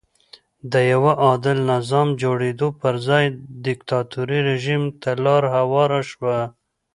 د یوه عادل نظام جوړېدو پر ځای دیکتاتوري رژیم ته لار هواره شوه.